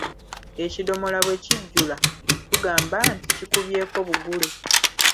Ekidomola bwe kijjula tugamba nti “Kikubyeko bugule.”